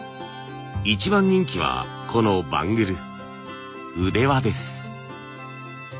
一番人気はこのバングル腕輪です。